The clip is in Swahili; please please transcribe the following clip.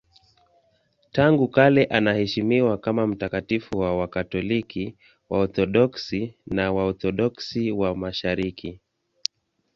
Tangu kale anaheshimiwa kama mtakatifu na Wakatoliki, Waorthodoksi na Waorthodoksi wa Mashariki.